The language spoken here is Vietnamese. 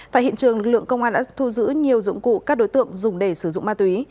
tại hiện trường lực lượng công an đã thu giữ nhiều dụng cụ các đối tượng dùng để sử dụng ma túy